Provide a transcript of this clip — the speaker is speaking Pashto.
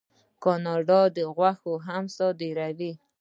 کاناډا غوښه هم صادروي.